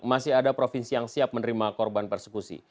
masih ada provinsi yang siap menerima korban persekusi